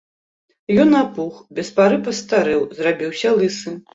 Ён апух, без пары пастарэў, зрабіўся лысы.